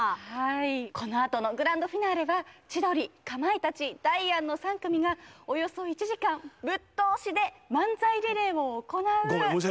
このあとのグランドフィナーレは千鳥、かまいたちダイアンの３組がおよそ１時間ぶっ通しで漫才リレーを行う。